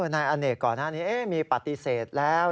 นายอเนกก่อนหน้านี้มีปฏิเสธแล้ว